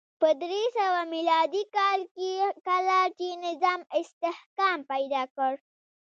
په درې سوه میلادي کال کې کله چې نظام استحکام پیدا کړ